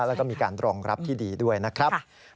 แล้วก็มีการรองรับที่ดีด้วยนะครับ